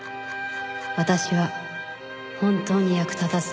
「私は本当に役立たずだ」